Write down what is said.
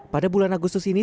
pada bulan agustus ini